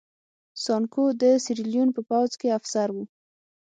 سانکو د سیریلیون په پوځ کې افسر و.